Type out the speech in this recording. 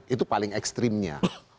itu paling ekstrimnya